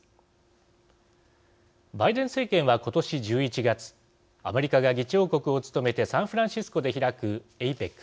バイデン政権は今年１１月アメリカが議長国を務めてサンフランシスコで開くＡＰＥＣ